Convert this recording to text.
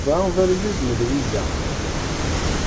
Yuba d argaz n Lwiza.